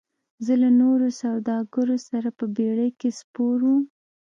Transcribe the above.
زه له نورو سوداګرو سره په بیړۍ کې سپار شوم.